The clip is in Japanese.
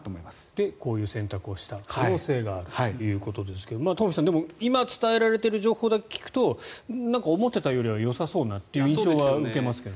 で、こういう選択をした可能性があるということですが東輝さん、今、伝えられている情報だけ聞くと思ってたよりはよさそうなという印象は受けますけど。